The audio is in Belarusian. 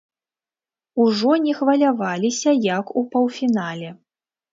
Ужо не хваляваліся, як у паўфінале.